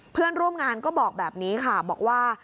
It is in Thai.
เพื่อนร่วมงานก็บอกแบบนี้ค่ะบอกว่า